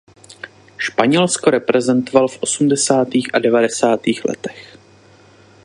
Španělsko reprezentoval v osmdesátých a devadesátých letech.